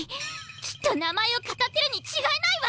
きっと名前をかたってるに違いないわ！